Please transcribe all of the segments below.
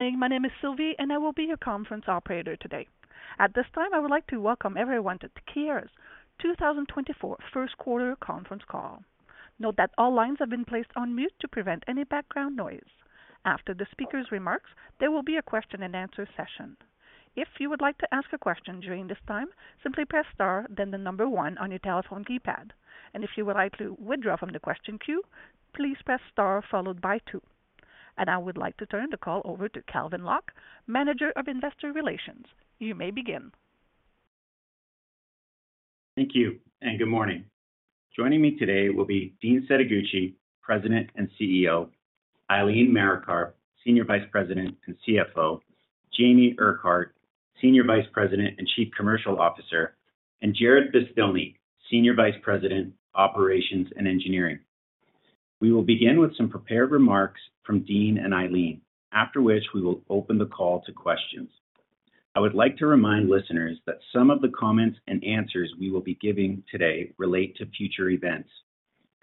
My name is Sylvie, and I will be your conference operator today. At this time, I would like to welcome everyone to Keyera's 2024 first quarter conference call. Note that all lines have been placed on mute to prevent any background noise. After the speaker's remarks, there will be a question-and-answer session. If you would like to ask a question during this time, simply press star, then the number one on your telephone keypad. If you would like to withdraw from the question queue, please press star followed by two. I would like to turn the call over to Calvin Locke, Manager of Investor Relations. You may begin. Thank you, and good morning. Joining me today will be Dean Setoguchi, President and CEO, Eileen Marikar, Senior Vice President and CFO, Jamie Urquhart, Senior Vice President and Chief Commercial Officer, and Jarrod Beztilny, Senior Vice President, Operations and Engineering. We will begin with some prepared remarks from Dean and Eileen, after which we will open the call to questions. I would like to remind listeners that some of the comments and answers we will be giving today relate to future events.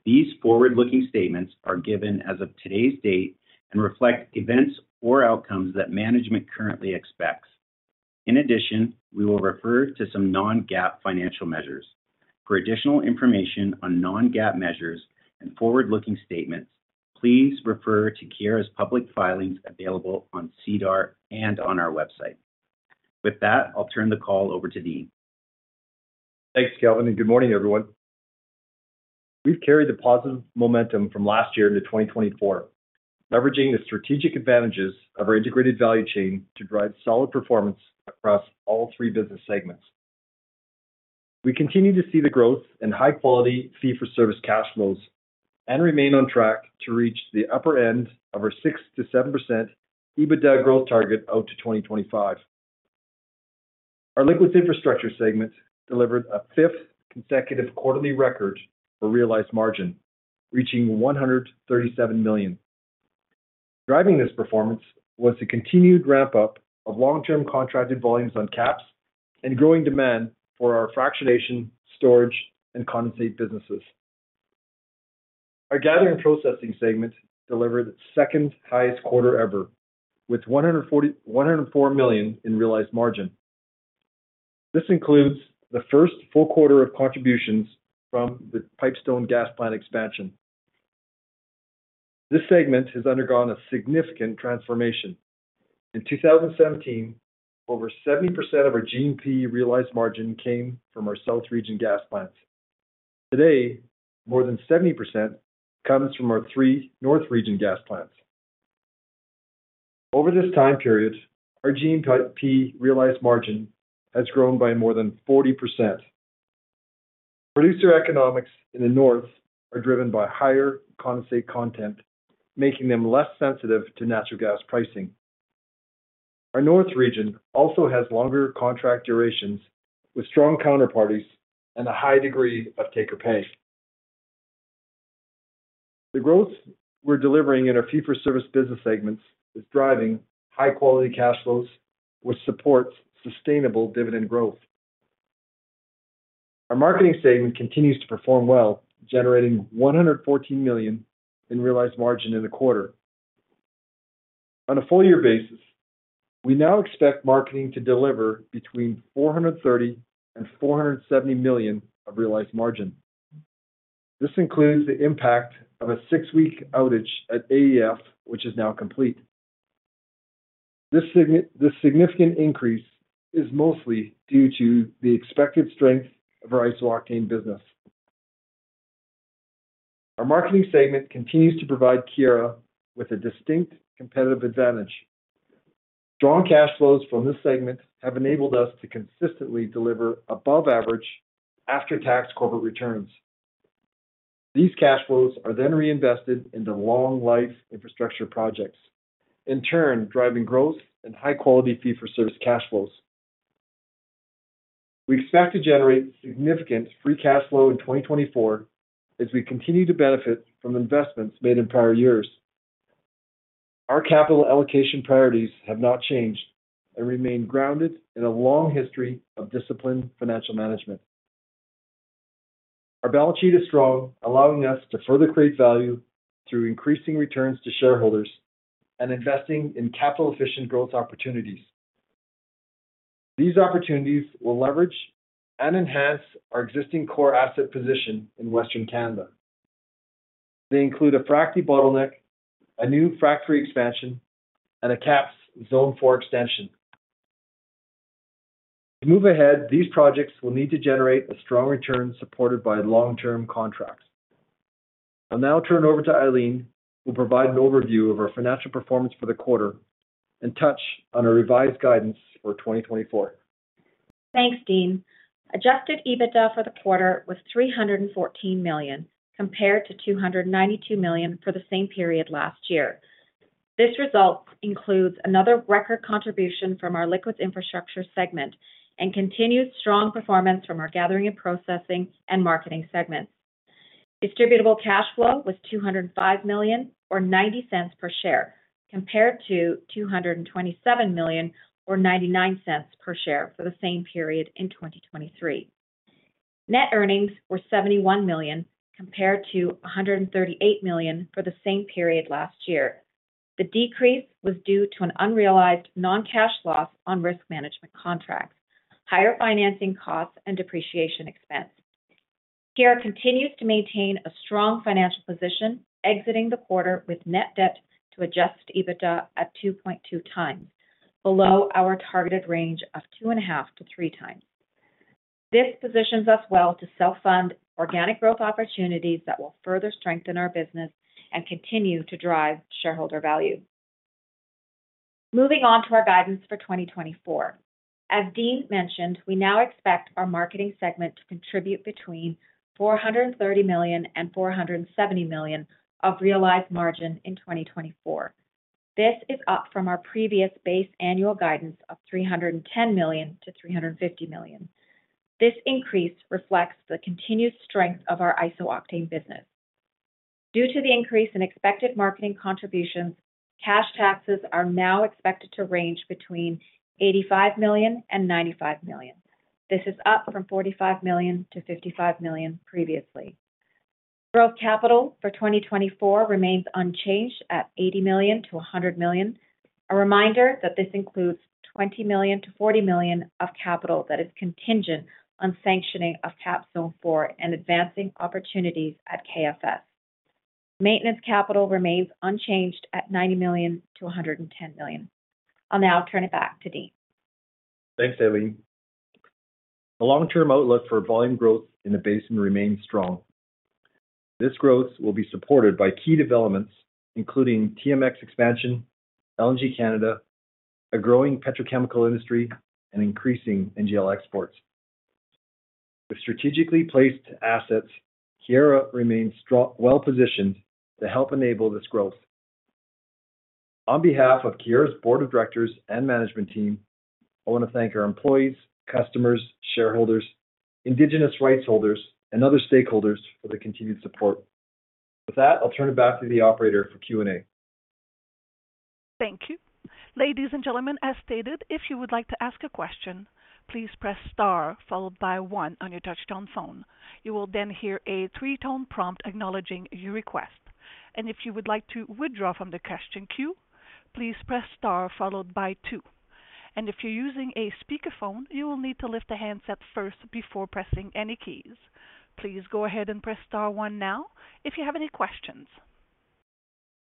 These forward-looking statements are given as of today's date and reflect events or outcomes that management currently expects. In addition, we will refer to some non-GAAP financial measures. For additional information on non-GAAP measures and forward-looking statements, please refer to Keyera's public filings available on SEDAR and on our website. With that, I'll turn the call over to Dean. Thanks, Calvin, and good morning, everyone. We've carried the positive momentum from last year into 2024, leveraging the strategic advantages of our integrated value chain to drive solid performance across all three business segments. We continue to see the growth in high-quality fee-for-service cash flows and remain on track to reach the upper end of our 6%-7% EBITDA growth target out to 2025. Our Liquids Infrastructure segment delivered a fifth consecutive quarterly record for realized margin, reaching 137 million. Driving this performance was the continued ramp-up of long-term contracted volumes on KAPS and growing demand for our fractionation, storage, and condensate businesses. Our Gathering and Processing segment delivered its second-highest quarter ever, with 104 million in realized margin. This includes the first full quarter of contributions from the Pipestone gas plant expansion. This segment has undergone a significant transformation. In 2017, over 70% of our G&P realized margin came from our south region gas plants. Today, more than 70% comes from our three north region gas plants. Over this time period, our G&P realized margin has grown by more than 40%. Producer economics in the north are driven by higher condensate content, making them less sensitive to natural gas pricing. Our north region also has longer contract durations, with strong counterparties and a high degree of taker pay. The growth we're delivering in our fee-for-service business segments is driving high-quality cash flows, which supports sustainable dividend growth. Our marketing segment continues to perform well, generating 114 million in realized margin in the quarter. On a full-year basis, we now expect marketing to deliver between 430 million and 470 million of realized margin. This includes the impact of a six-week outage at AEF, which is now complete. This significant increase is mostly due to the expected strength of our isobutane business. Our marketing segment continues to provide Keyera with a distinct competitive advantage. Strong cash flows from this segment have enabled us to consistently deliver above-average after-tax corporate returns. These cash flows are then reinvested into long-life infrastructure projects, in turn driving growth and high-quality fee-for-service cash flows. We expect to generate significant free cash flow in 2024 as we continue to benefit from investments made in prior years. Our capital allocation priorities have not changed and remain grounded in a long history of disciplined financial management. Our balance sheet is strong, allowing us to further create value through increasing returns to shareholders and investing in capital-efficient growth opportunities. These opportunities will leverage and enhance our existing core asset position in Western Canada. They include a frac train debottleneck, a new Frac 3 expansion, and a KAPS zone 4 extension. To move ahead, these projects will need to generate a strong return supported by long-term contracts. I'll now turn over to Eileen, who will provide an overview of our financial performance for the quarter and touch on our revised guidance for 2024. Thanks, Dean. Adjusted EBITDA for the quarter was 314 million compared to 292 million for the same period last year. This result includes another record contribution from our Liquids Infrastructure segment and continued strong performance from our Gathering and Processing segment and Marketing segment. Distributable cash flow was CAD 205 million or 0.90 per share compared to CAD 227 million or 0.99 per share for the same period in 2023. Net earnings were CAD 71 million compared to CAD 138 million for the same period last year. The decrease was due to an unrealized non-cash loss on risk management contracts, higher financing costs, and depreciation expense. Keyera continues to maintain a strong financial position, exiting the quarter with net debt to adjusted EBITDA at 2.2x, below our targeted range of 2.5x-3x. This positions us well to self-fund organic growth opportunities that will further strengthen our business and continue to drive shareholder value. Moving on to our guidance for 2024. As Dean mentioned, we now expect our marketing segment to contribute between 430 million and 470 million of realized margin in 2024. This is up from our previous base annual guidance of 310 million-350 million. This increase reflects the continued strength of our isobutane business. Due to the increase in expected marketing contributions, cash taxes are now expected to range between 85 million and 95 million. This is up from 45 million-55 million previously. Growth capital for 2024 remains unchanged at 80 million-100 million, a reminder that this includes 20 million-40 million of capital that is contingent on sanctioning of KAPS Zone 4 and advancing opportunities at KFS. Maintenance capital remains unchanged at 90 million-110 million. I'll now turn it back to Dean. Thanks, Eileen. A long-term outlook for volume growth in the basin remains strong. This growth will be supported by key developments, including TMX expansion, LNG Canada, a growing petrochemical industry, and increasing NGL exports. With strategically placed assets, Keyera remains well-positioned to help enable this growth. On behalf of Keyera's board of directors and management team, I want to thank our employees, customers, shareholders, indigenous rights holders, and other stakeholders for the continued support. With that, I'll turn it back to the operator for Q&A. Thank you. Ladies and gentlemen, as stated, if you would like to ask a question, please press star followed by one on your touch-tone phone. You will then hear a three-tone prompt acknowledging your request. If you would like to withdraw from the question queue, please press star followed by two. If you're using a speakerphone, you will need to lift the handset first before pressing any keys. Please go ahead and press star one now if you have any questions.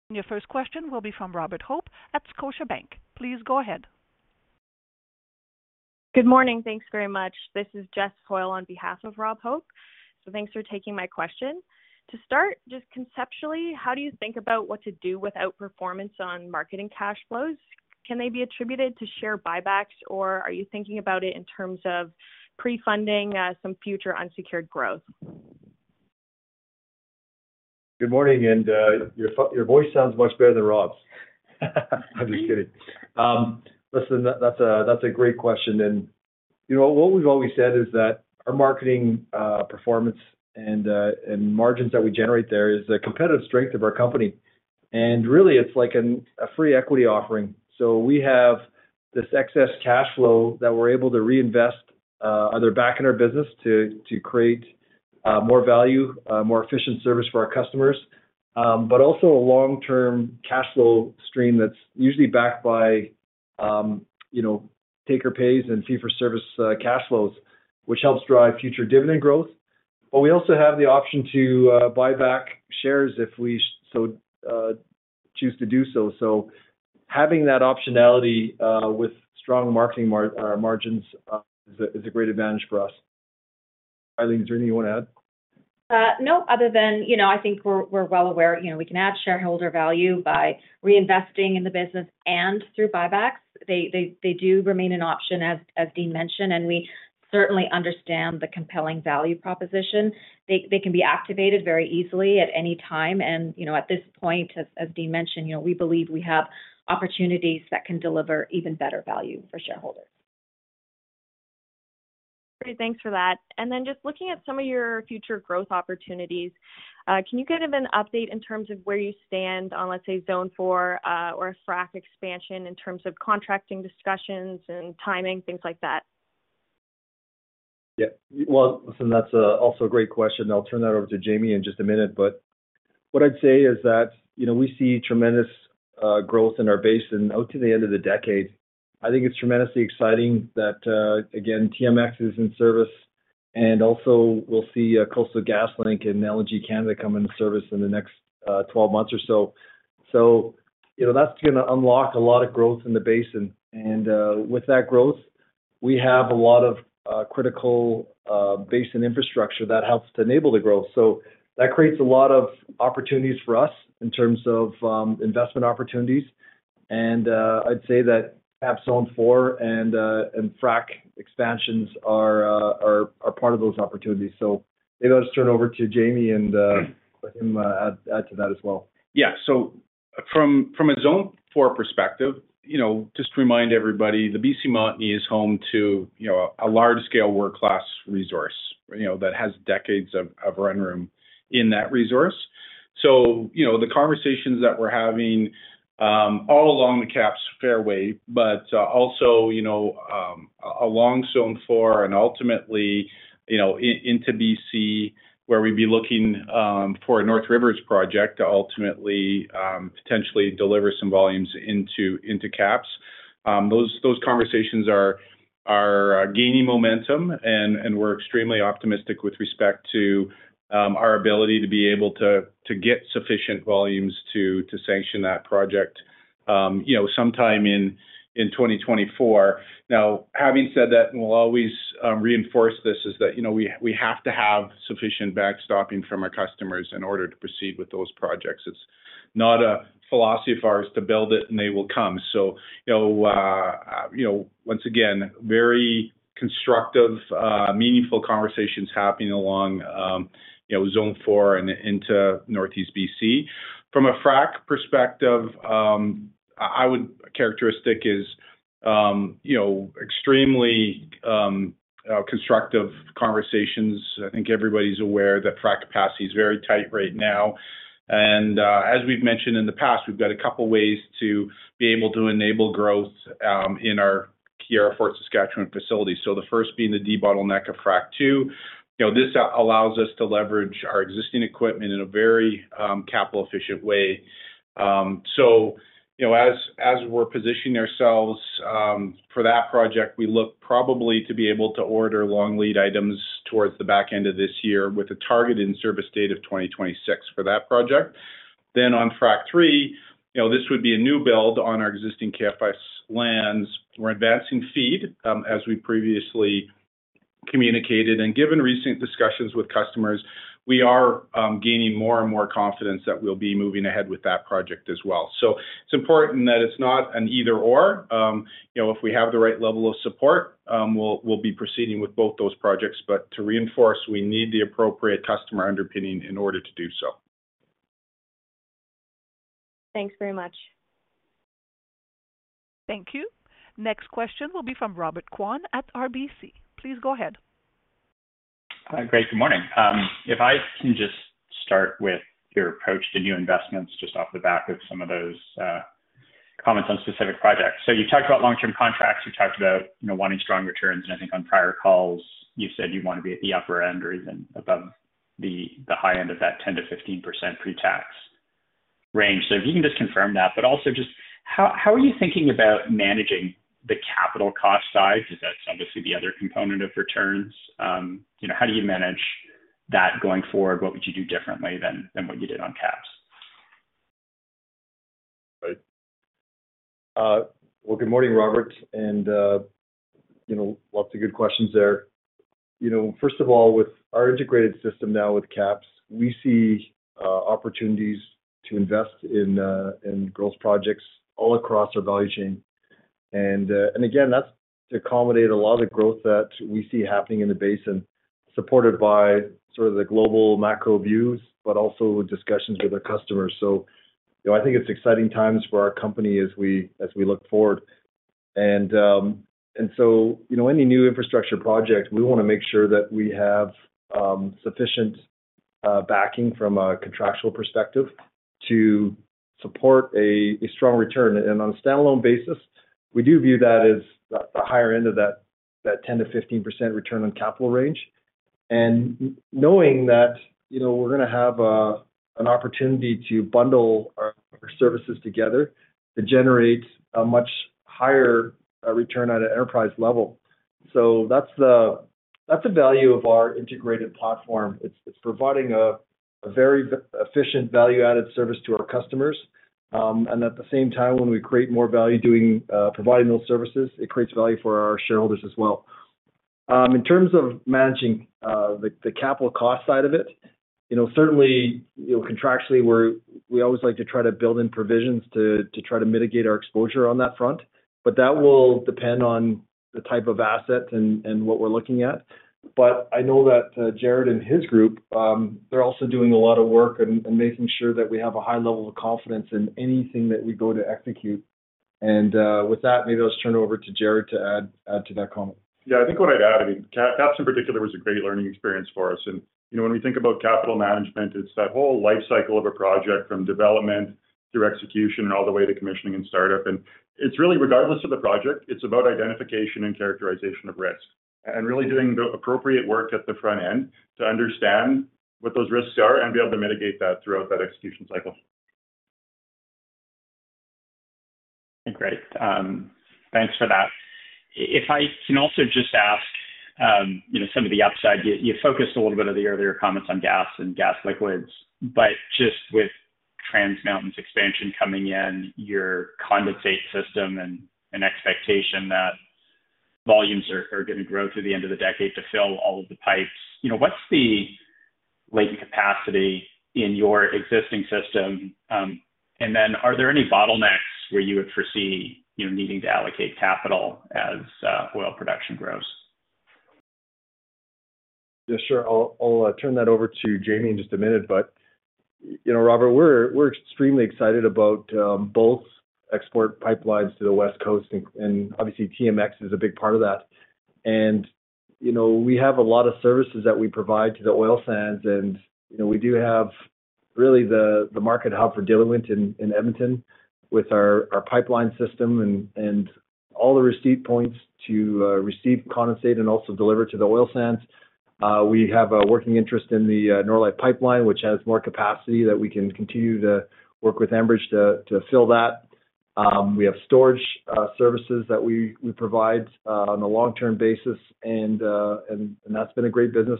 Your first question will be from Robert Hope at Scotiabank. Please go ahead. Good morning. Thanks very much. This is Jess Foil on behalf of Rob Hope. So thanks for taking my question. To start, just conceptually, how do you think about what to do without performance on marketing cash flows? Can they be attributed to share buybacks, or are you thinking about it in terms of pre-funding some future unsecured growth? Good morning. Your voice sounds much better than Rob's. I'm just kidding. Listen, that's a great question. What we've always said is that our marketing performance and margins that we generate there is the competitive strength of our company. Really, it's like a free equity offering. We have this excess cash flow that we're able to reinvest either back in our business to create more value, more efficient service for our customers, but also a long-term cash flow stream that's usually backed by taker pays and fee-for-service cash flows, which helps drive future dividend growth. We also have the option to buy back shares if we so choose to do so. Having that optionality with strong marketing margins is a great advantage for us. Eileen, is there anything you want to add? No, other than I think we're well aware we can add shareholder value by reinvesting in the business and through buybacks. They do remain an option, as Dean mentioned. And we certainly understand the compelling value proposition. They can be activated very easily at any time. And at this point, as Dean mentioned, we believe we have opportunities that can deliver even better value for shareholders. Great. Thanks for that. Then just looking at some of your future growth opportunities, can you give an update in terms of where you stand on, let's say, zone four or a frac expansion in terms of contracting discussions and timing, things like that? Yeah. Well, listen, that's also a great question. I'll turn that over to Jamie in just a minute. But what I'd say is that we see tremendous growth in our basin out to the end of the decade. I think it's tremendously exciting that, again, TMX is in service. And also, we'll see Coastal GasLink and LNG Canada come into service in the next 12 months or so. So that's going to unlock a lot of growth in the basin. And with that growth, we have a lot of critical basin infrastructure that helps to enable the growth. So that creates a lot of opportunities for us in terms of investment opportunities. And I'd say that cap zone four and frac expansions are part of those opportunities. So maybe I'll just turn over to Jamie and let him add to that as well. Yeah. So from a Zone four perspective, just to remind everybody, the BC Montney is home to a large-scale world-class resource that has decades of run room in that resource. So the conversations that we're having all along the caps fairway, but also along Zone four and ultimately into BC, where we'd be looking for a NorthRivers project to ultimately potentially deliver some volumes into caps. Those conversations are gaining momentum. And we're extremely optimistic with respect to our ability to be able to get sufficient volumes to sanction that project sometime in 2024. Now, having said that, and we'll always reinforce this, is that we have to have sufficient backstopping from our customers in order to proceed with those projects. It's not a philosophy of ours to build it, and they will come. So once again, very constructive, meaningful conversations happening along Zone four and into Northeast BC. From a frac perspective, I would. Characteristics are extremely constructive conversations. I think everybody's aware that frac capacity is very tight right now. And as we've mentioned in the past, we've got a couple of ways to be able to enable growth in our Keyera Fort Saskatchewan facility. So the first being the de-bottleneck of Frac 2. This allows us to leverage our existing equipment in a very capital-efficient way. So as we're positioning ourselves for that project, we look probably to be able to order long lead items towards the back end of this year with a target in-service date of 2026 for that project. Then on Frac 3, this would be a new build on our existing KFS lands. We're advancing FEED. As we previously communicated and given recent discussions with customers, we are gaining more and more confidence that we'll be moving ahead with that project as well. So it's important that it's not an either/or. If we have the right level of support, we'll be proceeding with both those projects. But to reinforce, we need the appropriate customer underpinning in order to do so. Thanks very much. Thank you. Next question will be from Robert Kwan at RBC. Please go ahead. Great. Good morning. If I can just start with your approach to new investments just off the back of some of those comments on specific projects. You've talked about long-term contracts. You've talked about wanting strong returns. I think on prior calls, you said you want to be at the upper end or even above the high end of that 10%-15% pre-tax range. If you can just confirm that. But also, just how are you thinking about managing the capital cost side? Because that's obviously the other component of returns. How do you manage that going forward? What would you do differently than what you did on caps? Well, good morning, Robert. And lots of good questions there. First of all, with our integrated system now with caps, we see opportunities to invest in growth projects all across our value chain. And again, that's to accommodate a lot of the growth that we see happening in the basin supported by sort of the global macro views, but also discussions with our customers. So I think it's exciting times for our company as we look forward. And so any new infrastructure project, we want to make sure that we have sufficient backing from a contractual perspective to support a strong return. And on a standalone basis, we do view that as the higher end of that 10%-15% return on capital range. And knowing that we're going to have an opportunity to bundle our services together to generate a much higher return at an enterprise level. So that's the value of our integrated platform. It's providing a very efficient value-added service to our customers. And at the same time, when we create more value providing those services, it creates value for our shareholders as well. In terms of managing the capital cost side of it, certainly, contractually, we always like to try to build in provisions to try to mitigate our exposure on that front. But that will depend on the type of asset and what we're looking at. But I know that Jarrod and his group, they're also doing a lot of work and making sure that we have a high level of confidence in anything that we go to execute. And with that, maybe I'll just turn it over to Jarrod to add to that comment. Yeah. I think what I'd add, I mean, caps in particular was a great learning experience for us. And when we think about capital management, it's that whole life cycle of a project from development through execution and all the way to commissioning and startup. And it's really, regardless of the project, it's about identification and characterization of risk and really doing the appropriate work at the front end to understand what those risks are and be able to mitigate that throughout that execution cycle. Great. Thanks for that. If I can also just ask some of the upside, you focused a little bit on the earlier comments on gas and gas liquids. But just with Trans Mountain's expansion coming in, your condensate system and expectation that volumes are going to grow through the end of the decade to fill all of the pipes, what's the latent capacity in your existing system? And then are there any bottlenecks where you would foresee needing to allocate capital as oil production grows? Yeah, sure. I'll turn that over to Jamie in just a minute. But Robert, we're extremely excited about both export pipelines to the West Coast. Obviously, TMX is a big part of that. We have a lot of services that we provide to the oil sands. We do have really the market hub for diluent in Edmonton with our pipeline system and all the receipt points to receive condensate and also deliver to the oil sands. We have a working interest in the Norlite Pipeline, which has more capacity that we can continue to work with Enbridge to fill that. We have storage services that we provide on a long-term basis. That's been a great business.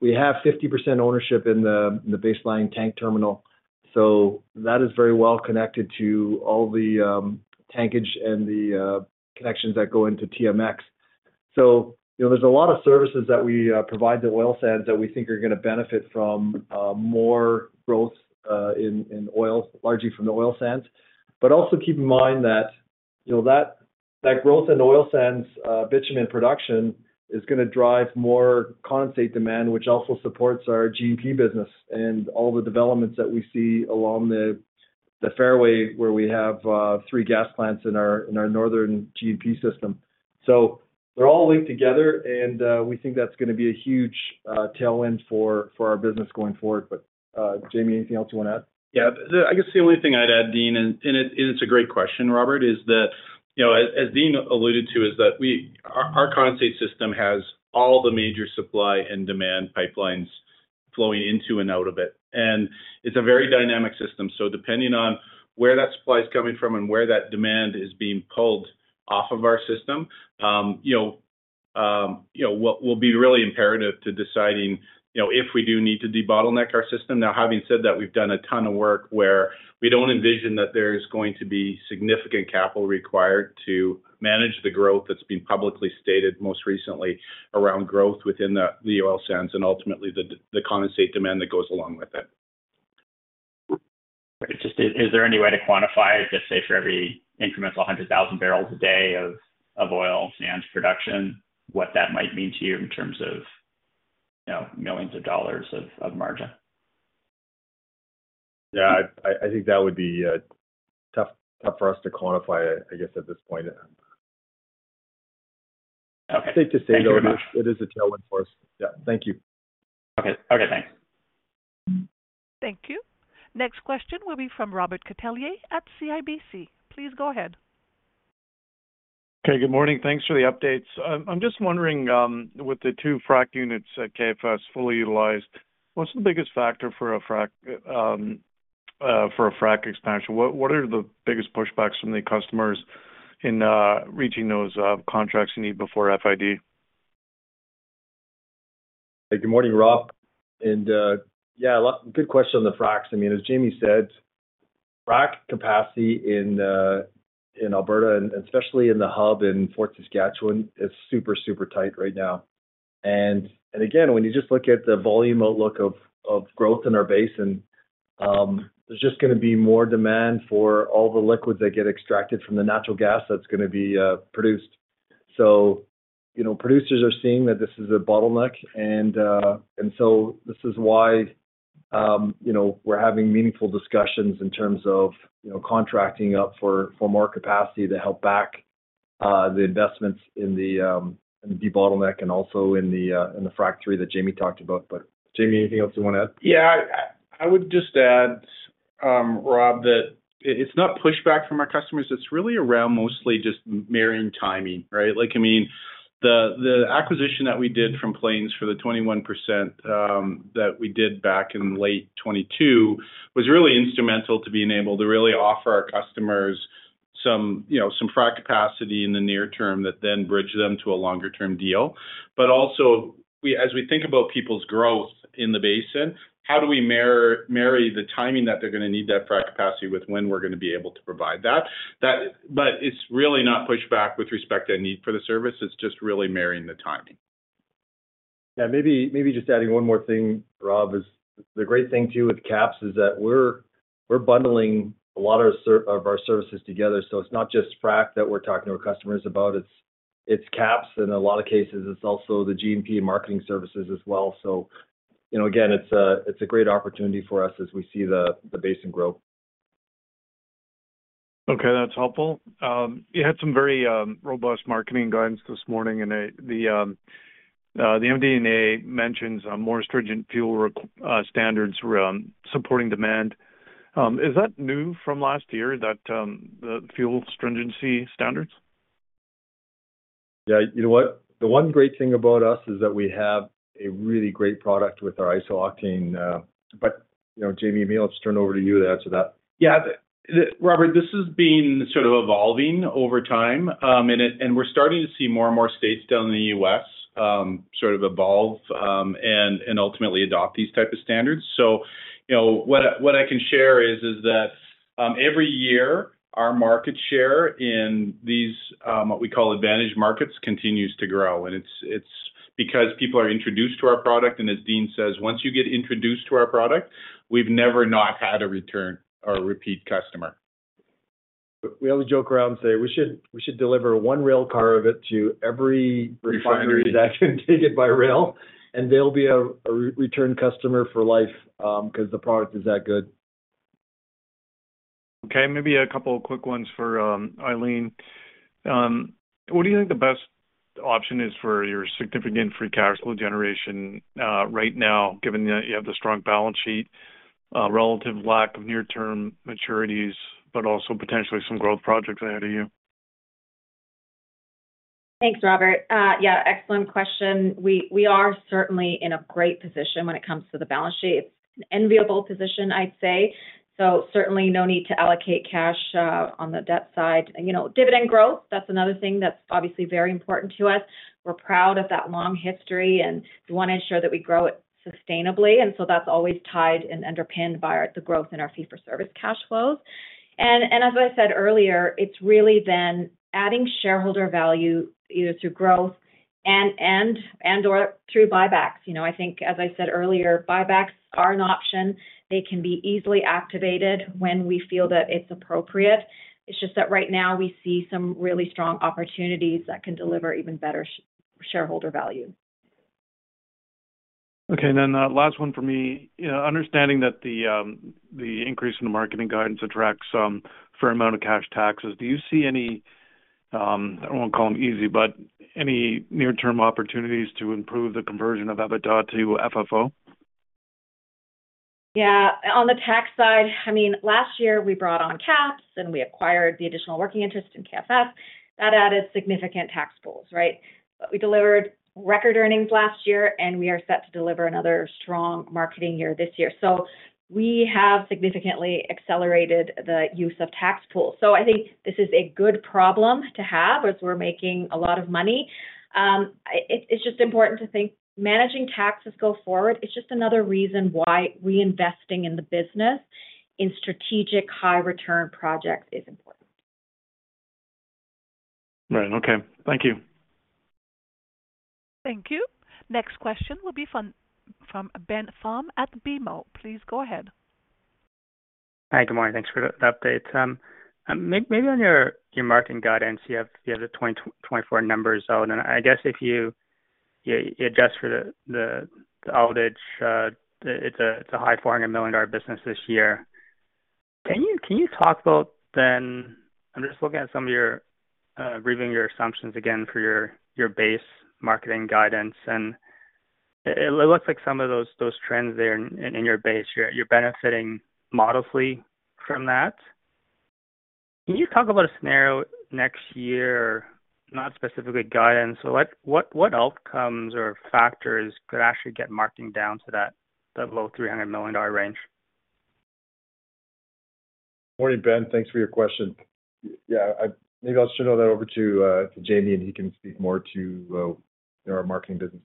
We have 50% ownership in the Baseline Line Terminal. That is very well connected to all the tankage and the connections that go into TMX. So there's a lot of services that we provide to oil sands that we think are going to benefit from more growth in oil, largely from the oil sands. But also keep in mind that that growth in oil sands bitumen production is going to drive more condensate demand, which also supports our GNP business and all the developments that we see along the fairway where we have three gas plants in our northern GNP system. So they're all linked together. And we think that's going to be a huge tailwind for our business going forward. But Jamie, anything else you want to add? Yeah. I guess the only thing I'd add, Dean, and it's a great question, Robert, is that as Dean alluded to, is that our condensate system has all the major supply and demand pipelines flowing into and out of it. It's a very dynamic system. So depending on where that supply is coming from and where that demand is being pulled off of our system, we'll be really imperative to deciding if we do need to de-bottleneck our system. Now, having said that, we've done a ton of work where we don't envision that there's going to be significant capital required to manage the growth that's been publicly stated most recently around growth within the oil sands and ultimately the condensate demand that goes along with it. Great. Just, is there any way to quantify it, let's say, for every incremental 100,000 barrels a day of oil sands production, what that might mean to you in terms of millions of dollars of margin? Yeah. I think that would be tough for us to quantify, I guess, at this point. Okay. Safe to say though, it is a tailwind for us. Yeah. Thank you. Okay. Okay. Thanks. Thank you. Next question will be from Robert Catellier at CIBC. Please go ahead. Okay. Good morning. Thanks for the updates. I'm just wondering, with the two frac units at KFS fully utilized, what's the biggest factor for a frac expansion? What are the biggest pushbacks from the customers in reaching those contracts you need before FID? Hey. Good morning, Rob. And yeah, good question on the fracs. I mean, as Jamie said, frac capacity in Alberta and especially in the hub in Fort Saskatchewan is super, super tight right now. And again, when you just look at the volume outlook of growth in our basin, there's just going to be more demand for all the liquids that get extracted from the natural gas that's going to be produced. So producers are seeing that this is a bottleneck. And so this is why we're having meaningful discussions in terms of contracting up for more capacity to help back the investments in the de-bottleneck and also in the Frac three that Jamie talked about. But Jamie, anything else you want to add? Yeah. I would just add, Rob, that it's not pushback from our customers. It's really around mostly just marrying timing, right? I mean, the acquisition that we did from Plains for the 21% that we did back in late 2022 was really instrumental to being able to really offer our customers some frac capacity in the near term that then bridged them to a longer-term deal. But also, as we think about people's growth in the basin, how do we marry the timing that they're going to need that frac capacity with when we're going to be able to provide that? But it's really not pushback with respect to a need for the service. It's just really marrying the timing. Yeah. Maybe just adding one more thing, Rob, is the great thing too with caps is that we're bundling a lot of our services together. So it's not just frac that we're talking to our customers about. It's caps. And in a lot of cases, it's also the GNP and marketing services as well. So again, it's a great opportunity for us as we see the basin grow. Okay. That's helpful. You had some very robust marketing guidance this morning. The MD&A mentions more stringent fuel standards supporting demand. Is that new from last year, the fuel stringency standards? Yeah. You know what? The one great thing about us is that we have a really great product with our isooctane. But Jamie, I mean, let's turn over to you to answer that. Yeah. Robert, this has been sort of evolving over time. We're starting to see more and more states down in the U.S. sort of evolve and ultimately adopt these types of standards. What I can share is that every year, our market share in these what we call advantaged markets continues to grow. It's because people are introduced to our product. As Dean says, once you get introduced to our product, we've never not had a return or repeat customer. We always joke around and say, "We should deliver one rail car of it to every refinery that can take it by rail. And they'll be a return customer for life because the product is that good. Okay. Maybe a couple of quick ones for Eileen. What do you think the best option is for your significant free cash flow generation right now, given that you have the strong balance sheet, relative lack of near-term maturities, but also potentially some growth projects ahead of you? Thanks, Robert. Yeah. Excellent question. We are certainly in a great position when it comes to the balance sheet. It's an enviable position, I'd say. So certainly, no need to allocate cash on the debt side. Dividend growth, that's another thing that's obviously very important to us. We're proud of that long history. We want to ensure that we grow it sustainably. So that's always tied and underpinned by the growth in our fee-for-service cash flows. As I said earlier, it's really then adding shareholder value either through growth and/or through buybacks. I think, as I said earlier, buybacks are an option. They can be easily activated when we feel that it's appropriate. It's just that right now, we see some really strong opportunities that can deliver even better shareholder value. Okay. And then last one for me, understanding that the increase in the marketing guidance attracts a fair amount of cash taxes, do you see any I won't call them easy, but any near-term opportunities to improve the conversion of EBITDA to FFO? Yeah. On the tax side, I mean, last year, we brought on caps, and we acquired the additional working interest in KFS. That added significant tax pools, right? But we delivered record earnings last year, and we are set to deliver another strong marketing year this year. So we have significantly accelerated the use of tax pools. So I think this is a good problem to have as we're making a lot of money. It's just important to think managing taxes go forward. It's just another reason why reinvesting in the business, in strategic high-return projects, is important. Right. Okay. Thank you. Thank you. Next question will be from Ben Pham at BMO. Please go ahead. Hi. Good morning. Thanks for the update. Maybe on your marketing guidance, you have the 2024 numbers out. I guess if you adjust for the outage, it's a high 1 million dollar business this year. Can you talk about? Then I'm just looking at some of your reading your assumptions again for your base marketing guidance. It looks like some of those trends there in your base, you're benefiting modestly from that. Can you talk about a scenario next year, not specifically guidance, but what outcomes or factors could actually get marketing down to that low CAD 300 million range? Morning, Ben. Thanks for your question. Yeah. Maybe I'll turn that over to Jamie, and he can speak more to our marketing business.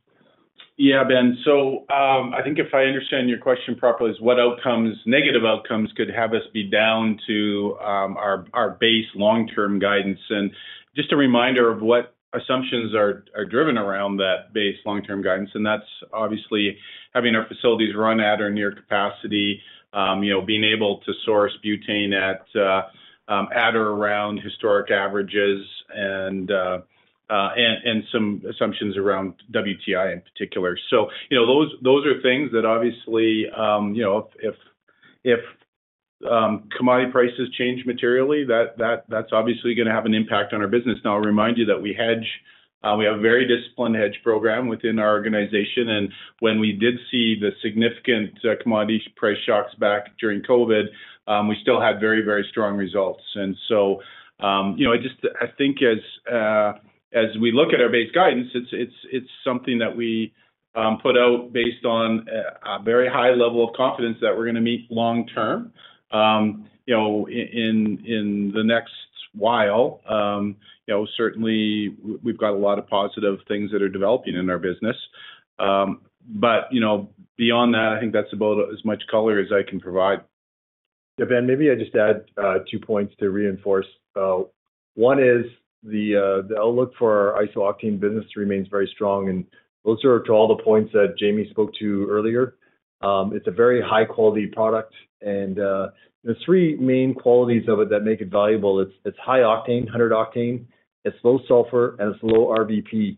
Yeah, Ben. So I think if I understand your question properly, is what outcomes, negative outcomes, could have us be down to our base long-term guidance? And just a reminder of what assumptions are driven around that base long-term guidance. And that's obviously having our facilities run at or near capacity, being able to source butane at or around historic averages, and some assumptions around WTI in particular. So those are things that obviously, if commodity prices change materially, that's obviously going to have an impact on our business. Now, I'll remind you that we hedge. We have a very disciplined hedge program within our organization. And when we did see the significant commodity price shocks back during COVID, we still had very, very strong results. So I think as we look at our base guidance, it's something that we put out based on a very high level of confidence that we're going to meet long-term in the next while. Certainly, we've got a lot of positive things that are developing in our business. But beyond that, I think that's about as much color as I can provide. Yeah, Ben, maybe I just add two points to reinforce. One is the outlook for our isooctane business remains very strong. And those are to all the points that Jamie spoke to earlier. It's a very high-quality product. And there's three main qualities of it that make it valuable. It's high octane, 100 octane. It's low sulfur, and it's low RVP.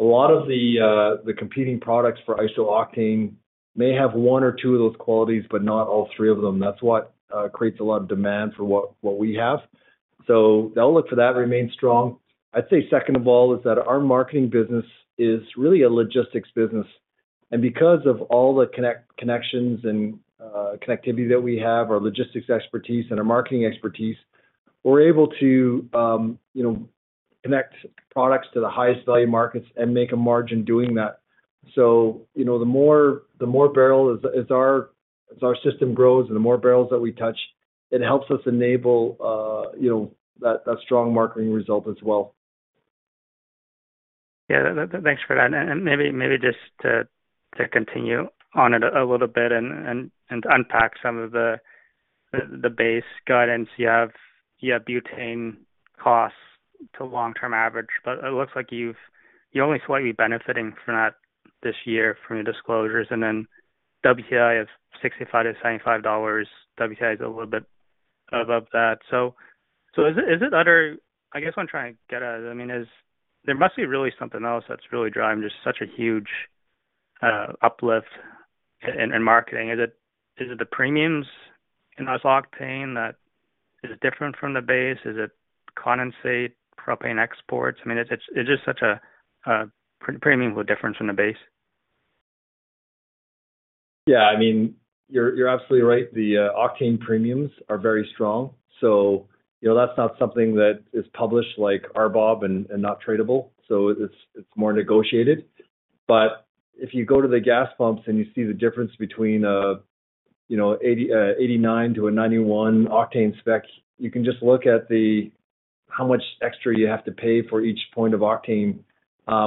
A lot of the competing products for isooctane may have one or two of those qualities, but not all three of them. That's what creates a lot of demand for what we have. So the outlook for that remains strong. I'd say second of all is that our marketing business is really a logistics business. And because of all the connections and connectivity that we have, our logistics expertise, and our marketing expertise, we're able to connect products to the highest value markets and make a margin doing that. The more barrels as our system grows and the more barrels that we touch, it helps us enable that strong marketing result as well. Yeah. Thanks for that. And maybe just to continue on it a little bit and unpack some of the base guidance, you have butane costs to long-term average. But it looks like you're only slightly benefiting from that this year from your disclosures. And then WTI is $65-$75. WTI is a little bit above that. So is it other I guess what I'm trying to get at is, I mean, there must be really something else that's really driving just such a huge uplift in marketing. Is it the premiums in isooctane that is different from the base? Is it condensate propane exports? I mean, it's just such a premium difference from the base. Yeah. I mean, you're absolutely right. The octane premiums are very strong. So that's not something that is published like RBOB and not tradable. So it's more negotiated. But if you go to the gas pumps and you see the difference between an 89 to a 91 octane spec, you can just look at how much extra you have to pay for each point of octane,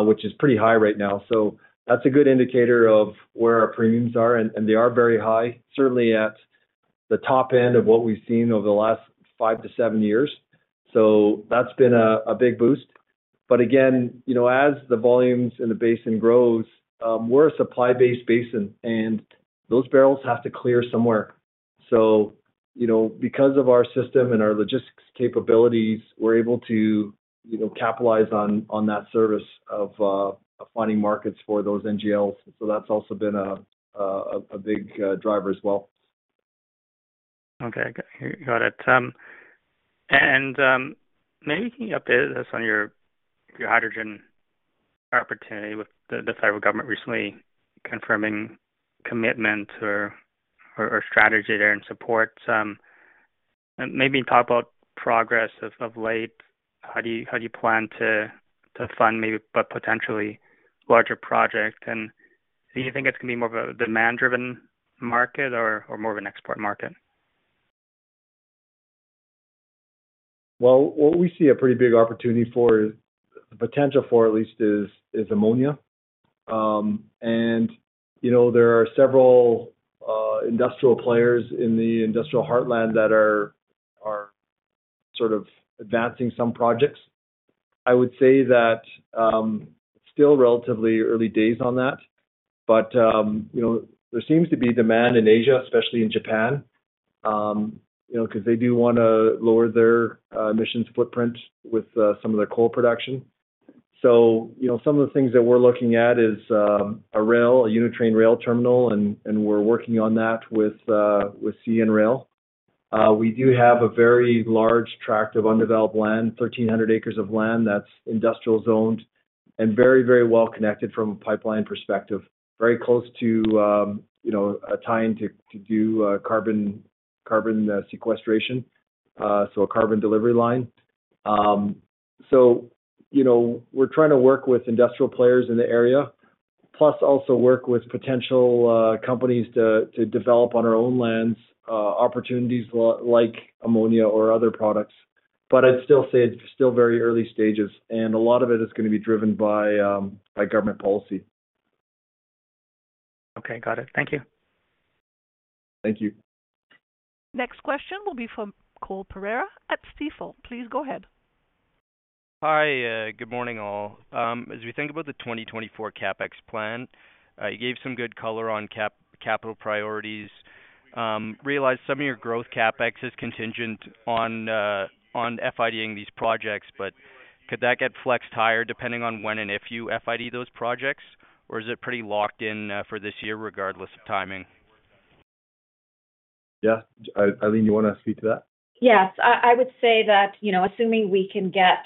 which is pretty high right now. So that's a good indicator of where our premiums are. And they are very high, certainly at the top end of what we've seen over the last five-seven years. So that's been a big boost. But again, as the volumes in the basin grows, we're a supply-based basin, and those barrels have to clear somewhere. Because of our system and our logistics capabilities, we're able to capitalize on that service of finding markets for those NGLs. That's also been a big driver as well. Okay. Got it. Maybe you can update us on your hydrogen opportunity with the federal government recently confirming commitment or strategy there and support. Maybe talk about progress of late. How do you plan to fund maybe a potentially larger project? And do you think it's going to be more of a demand-driven market or more of an export market? Well, what we see a pretty big opportunity for, the potential for at least, is ammonia. And there are several industrial players in the Industrial Heartland that are sort of advancing some projects. I would say that it's still relatively early days on that. But there seems to be demand in Asia, especially in Japan, because they do want to lower their emissions footprint with some of their coal production. So some of the things that we're looking at is a rail, a Unitrain rail terminal, and we're working on that with CN Rail. We do have a very large tract of undeveloped land, 1,300 acres of land that's industrial-zoned and very, very well connected from a pipeline perspective, very close to tying to do carbon sequestration, so a carbon delivery line. We're trying to work with industrial players in the area, plus also work with potential companies to develop on our own lands opportunities like ammonia or other products. I'd still say it's still very early stages. A lot of it is going to be driven by government policy. Okay. Got it. Thank you. Thank you. Next question will be from Cole Pereira at Stifel. Please go ahead. Hi. Good morning, all. As we think about the 2024 CapEx plan, you gave some good color on capital priorities. Realize some of your growth CapEx is contingent on FID-ing these projects. But could that get flexed higher depending on when and if you FID those projects? Or is it pretty locked in for this year regardless of timing? Yeah. Eileen, you want to speak to that? Yes. I would say that assuming we can get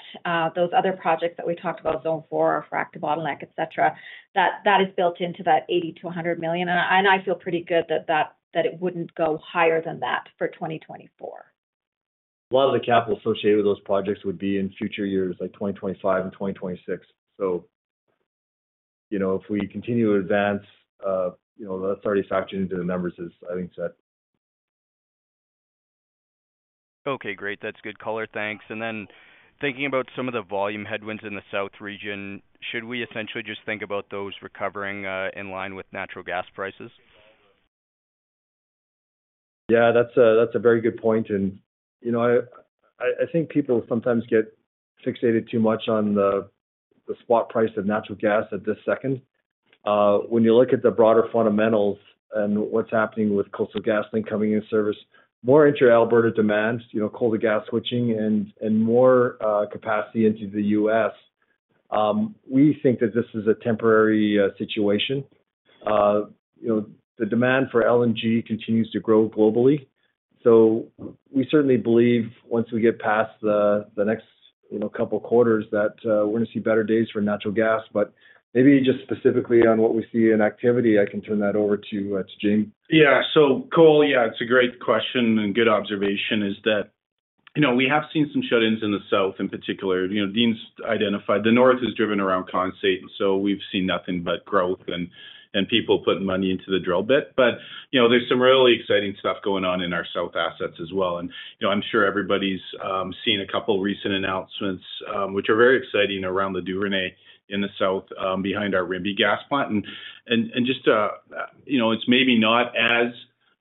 those other projects that we talked about, zone four, frac bottleneck, etc., that is built into that 80 million-100 million. And I feel pretty good that it wouldn't go higher than that for 2024. A lot of the capital associated with those projects would be in future years like 2025 and 2026. If we continue to advance, that's already factored into the numbers, as Eileen said. Okay. Great. That's good color. Thanks. And then thinking about some of the volume headwinds in the south region, should we essentially just think about those recovering in line with natural gas prices? Yeah. That's a very good point. I think people sometimes get fixated too much on the spot price of natural gas at this second. When you look at the broader fundamentals and what's happening with Coastal GasLink coming into service, more intra-Alberta demand, coal-to-gas switching, and more capacity into the U.S., we think that this is a temporary situation. The demand for LNG continues to grow globally. We certainly believe once we get past the next couple of quarters that we're going to see better days for natural gas. But maybe just specifically on what we see in activity, I can turn that over to James. Yeah. So, Cole, yeah, it's a great question and good observation is that we have seen some shut-ins in the south in particular. Dean's identified the north is driven around condensate. And so we've seen nothing but growth and people putting money into the drill bit. But there's some really exciting stuff going on in our south assets as well. And I'm sure everybody's seen a couple of recent announcements, which are very exciting around the Duvernay in the south behind our Rimbey gas plant. And just it's maybe not as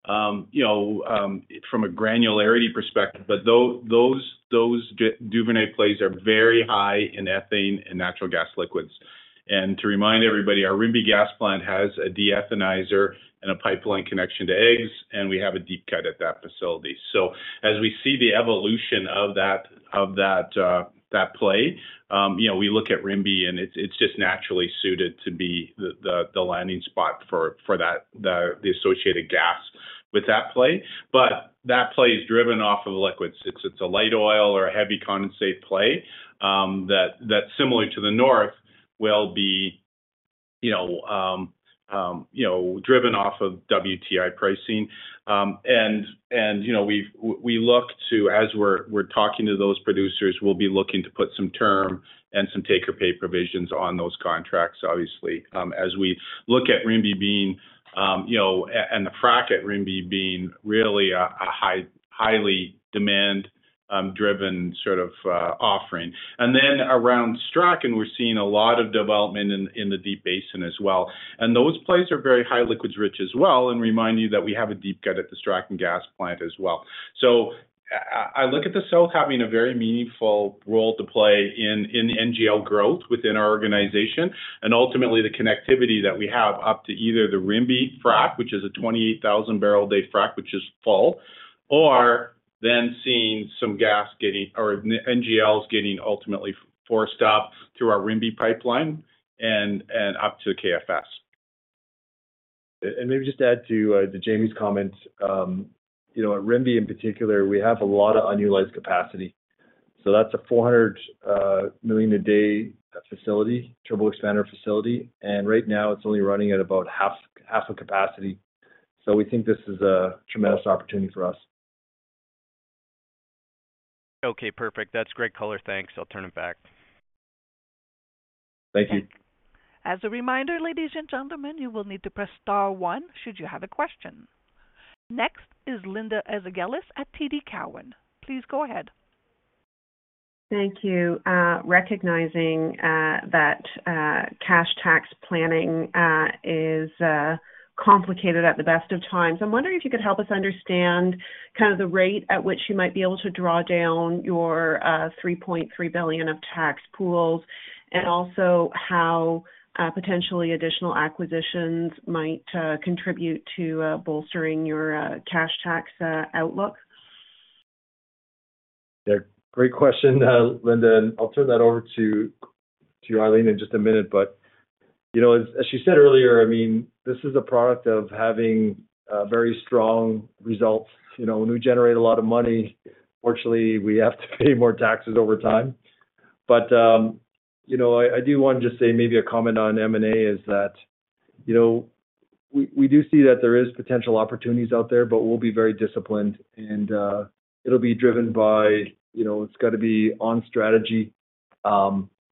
from a granularity perspective, but those Duvernay plays are very high in ethane and natural gas liquids. And to remind everybody, our Rimbey gas plant has a deethanizer and a pipeline connection to AEGS. And we have a deep cut at that facility. So as we see the evolution of that play, we look at Rimbey, and it's just naturally suited to be the landing spot for the associated gas with that play. But that play is driven off of liquids. It's a light oil or a heavy condensate play that, similar to the north, will be driven off of WTI pricing. And we look to, as we're talking to those producers, we'll be looking to put some term and some take-or-pay provisions on those contracts, obviously, as we look at Rimbey being and the frack at Rimbey being really a highly demand-driven sort of offering. And then around Strachan, we're seeing a lot of development in the deep basin as well. And those plays are very high liquids-rich as well. And remind you that we have a deep cut at the Strachan gas plant as well. So, I look at the south having a very meaningful role to play in NGL growth within our organization and ultimately the connectivity that we have up to either the Rimbey frac, which is a 28,000-barrel-day frac, which is full, or then seeing some gas getting or NGLs getting ultimately forced up through our Rimbey pipeline and up to the KFS. Maybe just add to Jamie's comment, at Rimbey in particular, we have a lot of unutilized capacity. That's a 400 million-a-day facility, turbo-expander facility. Right now, it's only running at about half of capacity. We think this is a tremendous opportunity for us. Okay. Perfect. That's great color. Thanks. I'll turn it back. Thank you. As a reminder, ladies and gentlemen, you will need to press star one should you have a question. Next is Linda Ezergailis at TD Cowen. Please go ahead. Thank you. Recognizing that cash tax planning is complicated at the best of times, I'm wondering if you could help us understand kind of the rate at which you might be able to draw down your 3.3 billion of tax pools and also how potentially additional acquisitions might contribute to bolstering your cash tax outlook. Yeah. Great question, Linda. And I'll turn that over to Eileen in just a minute. But as she said earlier, I mean, this is a product of having very strong results. When we generate a lot of money, fortunately, we have to pay more taxes over time. But I do want to just say maybe a comment on M&A is that we do see that there are potential opportunities out there, but we'll be very disciplined. And it'll be driven by it's got to be on strategy.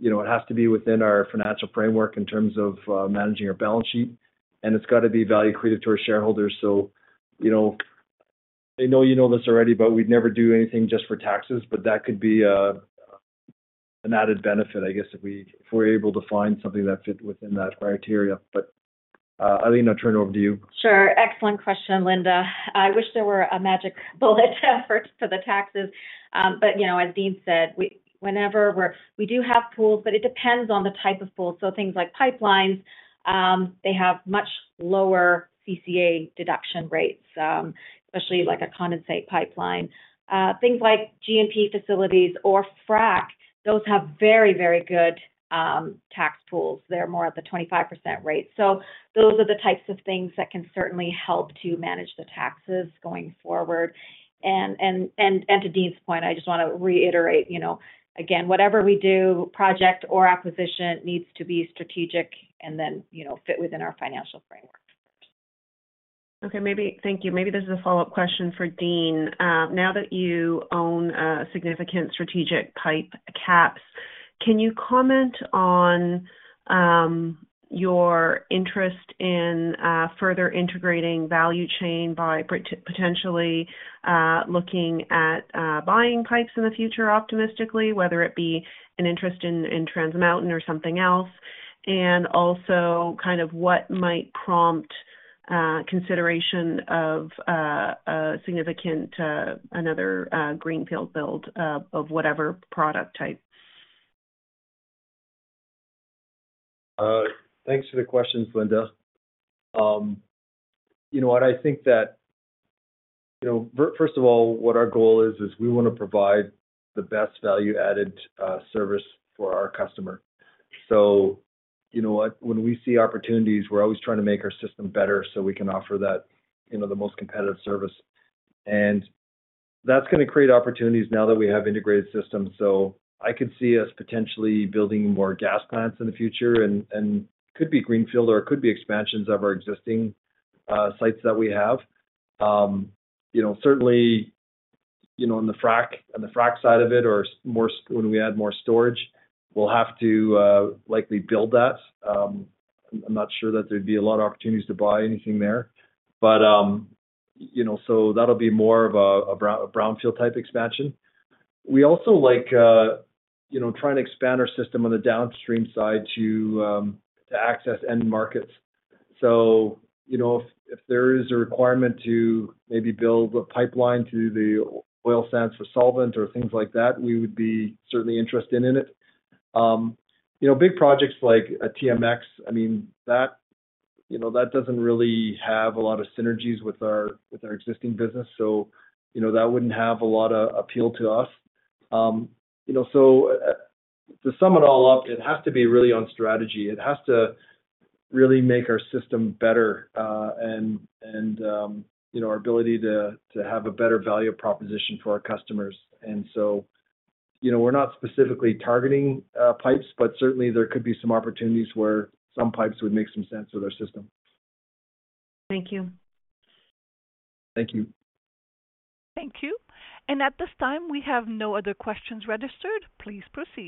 It has to be within our financial framework in terms of managing our balance sheet. And it's got to be value-creative to our shareholders. So I know you know this already, but we'd never do anything just for taxes. But that could be an added benefit, I guess, if we're able to find something that fit within that criteria. But Eileen, I'll turn it over to you. Sure. Excellent question, Linda. I wish there were a magic bullet for the taxes. But as Dean said, whenever we do have pools, but it depends on the type of pools. So things like pipelines, they have much lower CCA deduction rates, especially like a condensate pipeline. Things like GNP facilities or frac, those have very, very good tax pools. They're more at the 25% rate. So those are the types of things that can certainly help to manage the taxes going forward. And to Dean's point, I just want to reiterate, again, whatever we do, project or acquisition, needs to be strategic and then fit within our financial framework first. Okay. Thank you. Maybe this is a follow-up question for Dean. Now that you own significant strategic pipe caps, can you comment on your interest in further integrating value chain by potentially looking at buying pipes in the future optimistically, whether it be an interest in Trans Mountain or something else, and also kind of what might prompt consideration of another greenfield build of whatever product type? Thanks for the questions, Linda. You know what? I think that, first of all, what our goal is, is we want to provide the best value-added service for our customer. So you know what? When we see opportunities, we're always trying to make our system better so we can offer the most competitive service. And that's going to create opportunities now that we have integrated systems. So I could see us potentially building more gas plants in the future and could be greenfield or it could be expansions of our existing sites that we have. Certainly, on the frac side of it or when we add more storage, we'll have to likely build that. I'm not sure that there'd be a lot of opportunities to buy anything there. But so that'll be more of a brownfield-type expansion. We also like trying to expand our system on the downstream side to access end markets. So if there is a requirement to maybe build a pipeline to the oil sands for solvent or things like that, we would be certainly interested in it. Big projects like a TMX, I mean, that doesn't really have a lot of synergies with our existing business. So that wouldn't have a lot of appeal to us. So to sum it all up, it has to be really on strategy. It has to really make our system better and our ability to have a better value proposition for our customers. And so we're not specifically targeting pipes, but certainly, there could be some opportunities where some pipes would make some sense with our system. Thank you. Thank you. Thank you. At this time, we have no other questions registered. Please proceed.